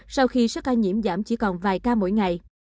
sau khi số ca nhiễm giảm chỉ còn vài ca mỗi ngày